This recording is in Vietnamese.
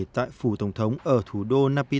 tại phủ tổng thống ở thủ đô naypyidaw